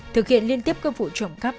thực hiện liên tiếp các vụ trộm cắp